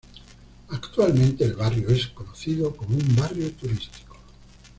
Actualmente, el barrio es conocido como un barrio turístico.